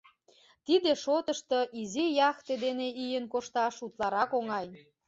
Тиде шотышто изи яхте дене ийын кошташ утларак оҥай.